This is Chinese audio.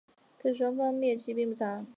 可使双方的蜜月期并不长。